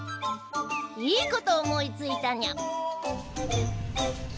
いいこと思いついたにゃ！